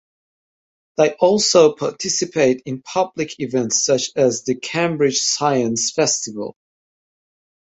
They also participate in public events such as the Cambridge Science Festival.